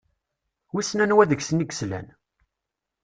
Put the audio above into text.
Wissen anwa deg-sen i yeslan?